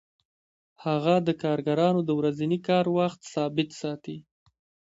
هغه د کارګرانو د ورځني کار وخت ثابت ساتي